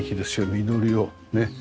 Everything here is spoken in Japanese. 緑をねっ。